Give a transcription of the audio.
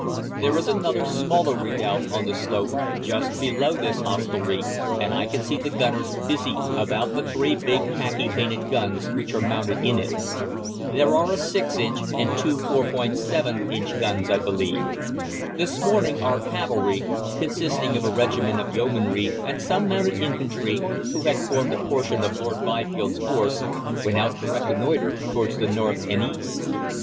There is another smaller redoubt on the slope just below this hostelry, and I can see the gunners busy about the three big khaki painted guns which are mounted in it. There are a 6 inch and two 4·7 inch guns I believe. This morning our cavalry, consisting of a regiment of yeomanry and some mounted infantry, who had formed a portion of Lord Byfield's force, went out to reconnoitre towards the north and east.